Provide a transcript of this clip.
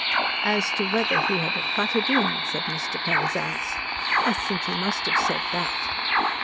"As to whether he had 'butted in,'" said Mr. Penzance. "I think he must have said that."